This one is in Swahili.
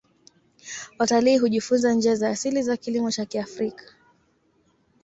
Watalii hujifunza njia za asili za kilimo cha kiafrika